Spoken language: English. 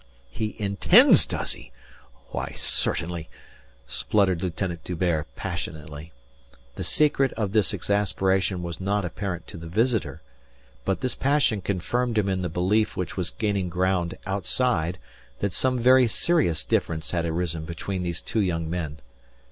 "He intends does he? Why certainly," spluttered Lieutenant D'Hubert passionately. The secret of this exasperation was not apparent to the visitor; but this passion confirmed him in the belief which was gaining ground outside that some very serious difference had arisen between these two young men.